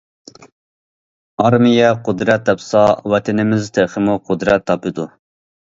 ئارمىيە قۇدرەت تاپسا، ۋەتىنىمىز تېخىمۇ قۇدرەت تاپىدۇ.